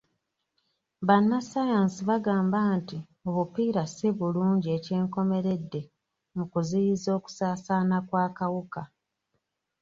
Bannassaayansi bagamba nti obupiira si bulungi ekyenkomeredde mu kuziyiza okusaasaana kw'akawuka.